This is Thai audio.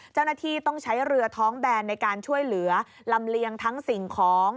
เจ้าหน้าที่ต้องใช้เรือท้องแบนในการช่วยเหลือลำเลียงทั้งสิ่งของ